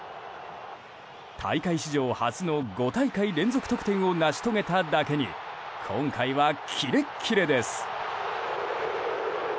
大会史上初の５大会連続得点を成し遂げただけに今回はキレッキレです。